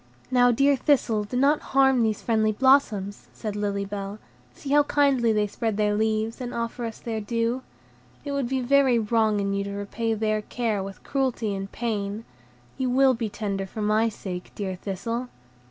"Now, dear Thistle, do not harm these friendly blossoms," said Lily Bell; "see how kindly they spread their leaves, and offer us their dew. It would be very wrong in you to repay their care with cruelty and pain. You will be tender for my sake, dear Thistle."